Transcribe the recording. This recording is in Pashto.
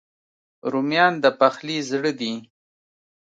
رومیان د پخلي زړه دي